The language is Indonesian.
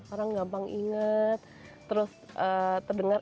orang gampang ingat terus terdengar